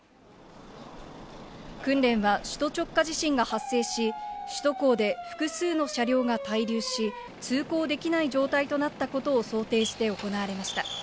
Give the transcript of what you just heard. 訓練は、首都直下地震が発生し、首都高で複数の車両が滞留し、通行できない状態となったことを想定して行われました。